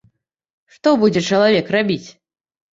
Што будзе чалавек рабіць?